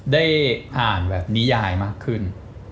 ได้อ่านแบบนิยายมากขึ้น